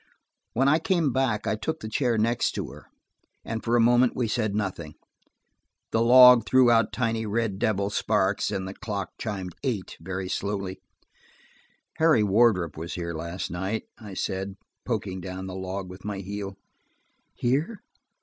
When I came back I took the chair next to her, and for a moment we said nothing. The log threw out tiny red devil sparks, and the clock chimed eight, very slowly. "Harry Wardrop was here last night," I said, poking down the log with my heel. "Here?"